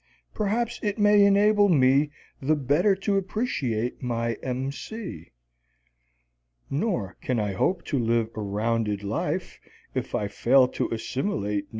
Perhaps it may enable me the better to appreciate my M. C. Nor can I hope to live a rounded life if I fail to assimilate No.